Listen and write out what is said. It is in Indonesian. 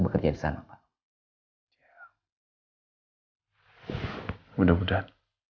bekerja di sana pak ya mudah mudahan